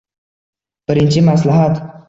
Birinchi maslahat.